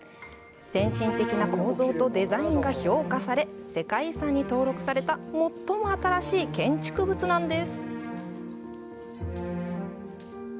先進的な構造とデザインが評価され、世界遺産に登録された最も新しい建築物なんです。